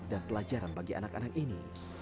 dan pelajaran bagi anak anak ini